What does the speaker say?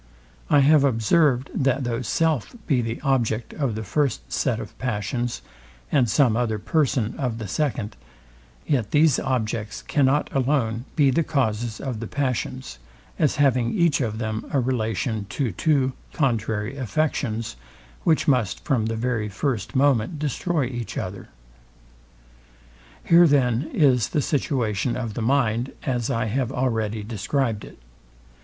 I have observed, that though self be the object of the first set of passions, and some other person of the second, yet these objects cannot alone be the causes of the passions; as having each of them a relation to two contrary affections, which must from the very first moment destroy each other. Here then is the situation of the mind, as I have already described it.